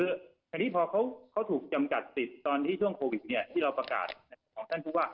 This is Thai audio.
คราวนี้พอก็เขาถึงจำกัดติดตอนที่ช่วงโควิดตระก็จะกดล้อมให้เติมอย่างนี้